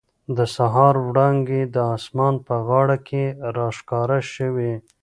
د سهار وړانګې د اسمان په غاړه کې را ښکاره شوې.